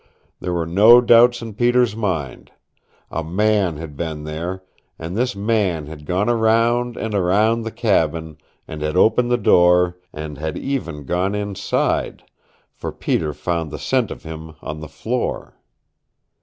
There were no doubts in Peter's mind. A man had been there, and this man had gone around and around the cabin, and had opened the door, and had even gone inside, for Peter found the scent of him on the floor.